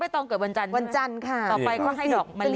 ต้องเกิดวันจันทร์ใช่ไหมต่อไปก็ให้ดอกมะลิ